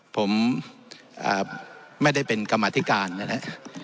ผมไม่ได้เป็นกรรมธิการนะครับ